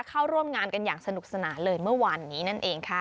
เข้าร่วมงานกันอย่างสนุกสนานเลยเมื่อวานนี้นั่นเองค่ะ